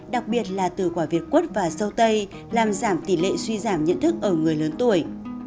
đặc biệt là từ quả việt quất và sâu tây làm giảm tỷ lệ suy giảm nhận thức ở người lớn tuổi